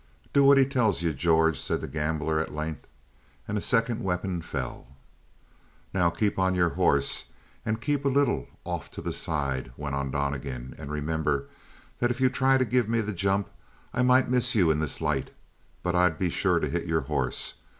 "Do what he tells you, George," said the gambler at length, and a second weapon fell. "Now keep on your horse and keep a little off to the side," went on Donnegan, "and remember that if you try to give me the jump I might miss you in this light, but I'd be sure to hit your horse.